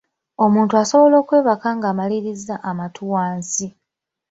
Omuntu asobola okwebaka ng’amalizza amatu wansi.